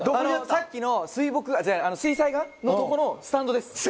さっきの水墨画違う水彩画のとこのスタンドです